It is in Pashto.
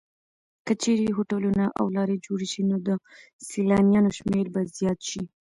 که چېرې هوټلونه او لارې جوړې شي نو د سېلانیانو شمېر به زیات شي.